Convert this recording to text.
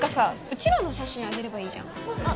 うちらの写真あげればいいじゃん